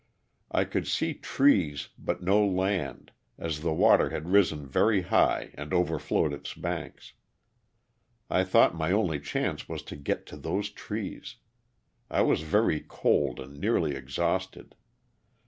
I could see trees but no land, as the water had risen very high and overflowed its banks. I thought my only chance was to get to those trees. I was very cold and nearly exhausted.